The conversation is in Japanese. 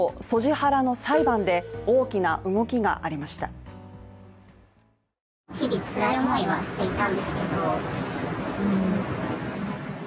ハラの裁判で大きな動きがありました。